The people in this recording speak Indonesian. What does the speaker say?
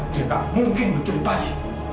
dia gak mungkin mencuri bayi